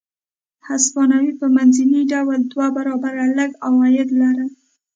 هسپانوي په منځني ډول دوه برابره لږ عواید لرل.